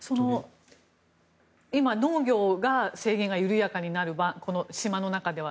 今、農業が制限が緩やかになる島の中では。